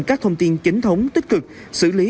các thông tin chính thống tích cực xử lý